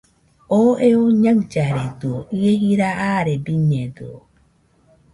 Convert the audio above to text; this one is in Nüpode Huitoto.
Oo eo ñaɨllaredɨio, ie jira aare biñedɨio